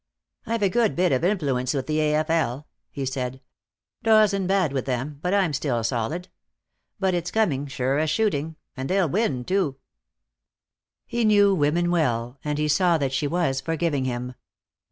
"I've a good bit of influence with the A.F.L.," he said. "Doyle's in bad with them, but I'm still solid. But it's coming, sure as shooting. And they'll win, too." He knew women well, and he saw that she was forgiving him.